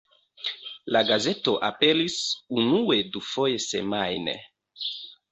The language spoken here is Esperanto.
La gazeto aperis unue dufoje semajne.